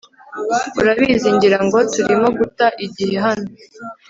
urabizi, ngira ngo turimo guta igihe hano